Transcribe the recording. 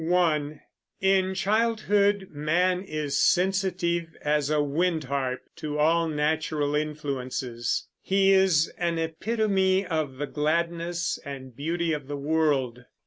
(1) In childhood man is sensitive as a wind harp to all natural influences; he is an epitome of the gladness and beauty of the world.